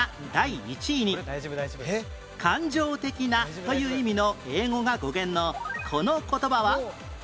「感情的な」という意味の英語が語源のこの言葉は？